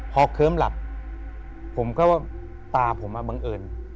พอเคิ้มหลับผมก็ว่าตาผมบังเอิญ